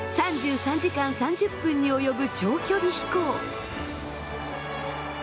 ３３時間３０分におよぶ長距離飛行。